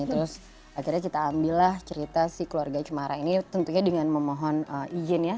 terus akhirnya kita ambillah cerita si keluarga cumara ini tentunya dengan memohon izin ya